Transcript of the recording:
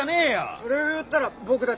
それを言ったら僕だって。